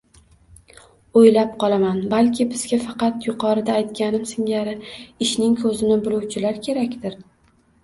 O‘ylab qolaman: balki bizga faqat yuqorida aytganim singari «ishning ko‘zini biluvchilar» kerakdir?